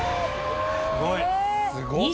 すごい。